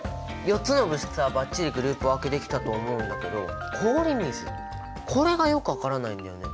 ４つの物質はバッチリグループ分けできたと思うんだけど氷水これがよく分からないんだよね。